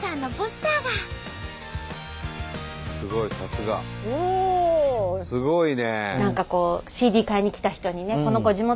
すごいね。